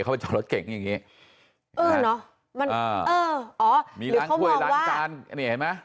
เขาเป็นจอดรถเก่งอย่างงี้เออเนอะมันเอออ๋อหรือเขามองว่านี่เห็นไหม